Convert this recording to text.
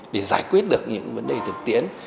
để giải quyết được những vấn đề thực tiễn